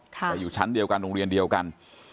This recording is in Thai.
แต่อยู่ชั้นเดียวกันโรงเรียนเดียวกัน